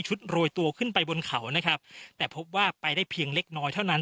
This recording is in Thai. โรยตัวขึ้นไปบนเขานะครับแต่พบว่าไปได้เพียงเล็กน้อยเท่านั้น